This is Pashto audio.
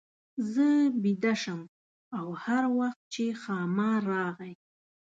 زه بېده شم او هر وخت چې ښامار راغی.